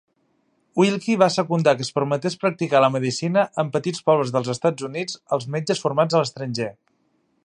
Willkie va secundar que es permetés practicar la medicina en petits pobles dels Estats Units als metges formats a l'estranger.